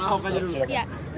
teman ahok aja dulu